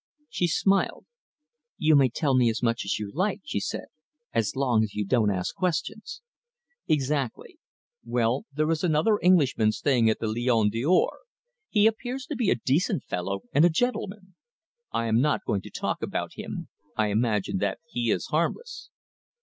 She smiled. "You may tell me as much as you like," she said, "as long as you don't ask questions." "Exactly! Well, there is another Englishman staying at the Lion d'Or. He appears to be a decent fellow, and a gentleman. I am not going to talk about him. I imagine that he is harmless."